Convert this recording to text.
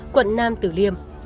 quận nam tử liêm